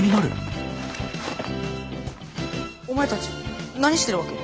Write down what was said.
お前たち何してるわけ？